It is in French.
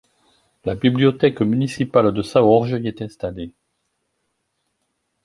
La bibliothèque municipale de Saorge y est installée.